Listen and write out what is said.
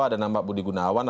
ada nama budi gunawan